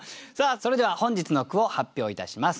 それでは本日の句を発表いたします。